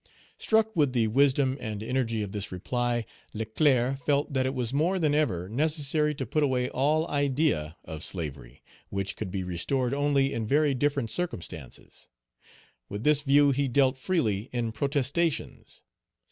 Struck with the wisdom and energy of this reply, Leclerc felt that it was more than ever necessary to put away all idea of slavery, which could be restored only in very different circumstances. With this view he dealt freely in protestations.